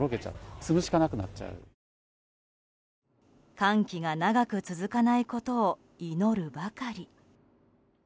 寒気が長く続かないことを祈るばかり。